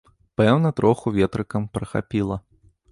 Пэўна, троху ветрыкам прахапіла.